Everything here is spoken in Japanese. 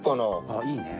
あっいいね。